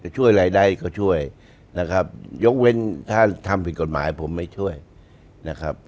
ช่วยอะไรได้ก็ช่วยนะครับยกเว้นถ้าทำผิดกฎหมายผมไม่ช่วยนะครับ